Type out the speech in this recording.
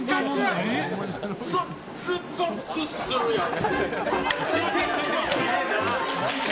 ゾックゾクするやろ！